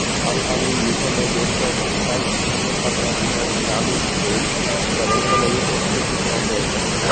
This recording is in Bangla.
আল-আমিন মিশনে বেশ কয়েকটি স্থায়ী শিক্ষকের পাশাপাশি কয়েকটি নামী স্কুল এবং কলেজের অতিথি শিক্ষক রয়েছে।